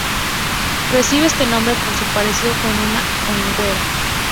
Recibe este nombre por su parecido con una hoguera.